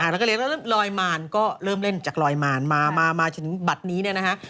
แล้วก็เล่นลอยหม่านก็เริ่มเล่นจากลอยหม่านมามาอย่างถึงบัตรนี้เนี่ยนะคะ